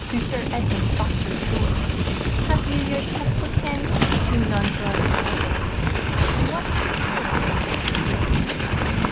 to Sir Edmund Foster's door. "Have you your cheque book handy?" she nonchalantly asked. "What for?"